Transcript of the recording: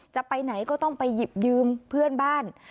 จะไปไหนก็ต้องไปหยิบยืมเพื่อนบ้าน